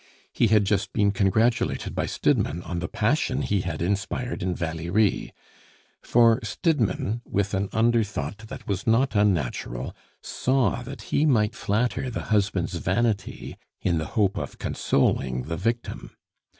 He had just been congratulated by Stidmann on the passion he had inspired in Valerie; for Stidmann, with an under thought that was not unnatural, saw that he might flatter the husband's vanity in the hope of consoling the victim.